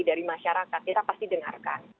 dari masyarakat kita pasti dengarkan